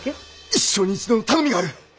一生に一度の頼みがある！